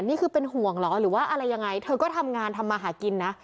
นี่คือเป็นห่วงเหรอหรือว่าอะไรยังไงเธอก็ทำงานทำมาหากินนะ